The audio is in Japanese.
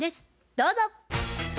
どうぞ。